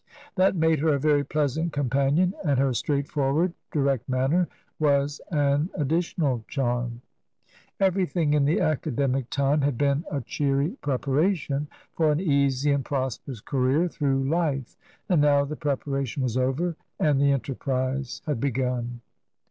That made her a very pleasant companion, and her straightforward, direct manner was an additional charm. Everything in the academic time had been a cheery preparation for an easy and prosperous career through life ; and now the preparation was over and the enter prise had begun.